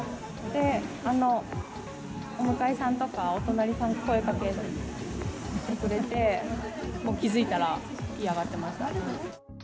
あのお向かいさんとか、お隣さんが声かけてくれて、もう気付いたら火、上がってました。